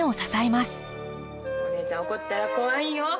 お姉ちゃん怒ったら怖いんよ。